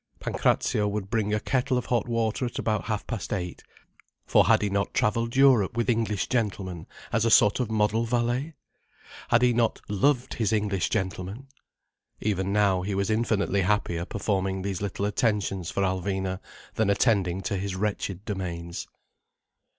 Pancrazio would bring a kettle of hot water at about half past eight. For had he not travelled Europe with English gentlemen, as a sort of model valet! Had he not loved his English gentlemen? Even now, he was infinitely happier performing these little attentions for Alvina than attending to his wretched domains.